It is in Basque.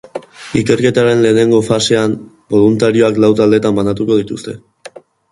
Ikerketaren lehenengo fasean, boluntarioak lau taldetan banatuko dituzte.